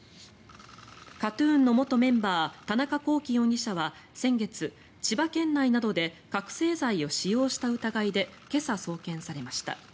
ＫＡＴ−ＴＵＮの元メンバー田中聖容疑者は先月千葉県内などで覚醒剤を使用した疑いで今朝、送検されました。